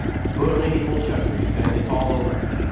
"Go to Lady Holchester," he said. "It's all over."